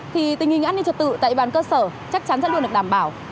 thì tình hình an ninh trật tự tại bàn cơ sở chắc chắn sẽ luôn được đảm bảo